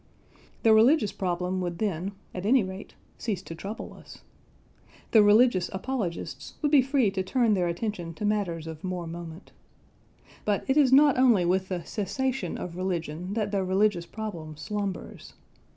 The religious problem would then, at any rate, cease to trouble us. The religious apologists would be free to turn their attention to matters of more moment. But it is not only with the cessation of religion that the religious problem slumbers.